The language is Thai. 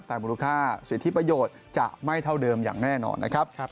แต่มูลค่าสิทธิประโยชน์จะไม่เท่าเดิมอย่างแน่นอนนะครับ